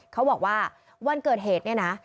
เขาบอกว่าวันเกิดเหตุเนี่ยนะ